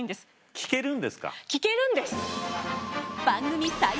聞けるんです！